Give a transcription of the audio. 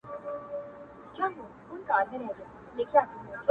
چي ته حال راكړې گرانه زه درځمه ـ